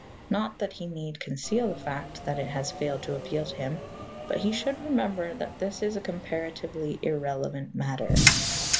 Not that he need conceal the fact that it has failed to appeal to him, but he should remember that this is a comparatively irrelevant matter.